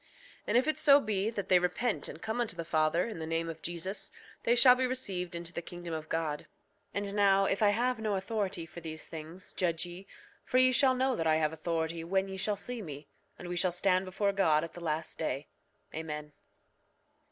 5:5 And if it so be that they repent and come unto the Father in the name of Jesus, they shall be received into the kingdom of God. 5:6 And now, if I have no authority for these things, judge ye; for ye shall know that I have authority when ye shall see me, and we shall stand before God at the last day. Amen.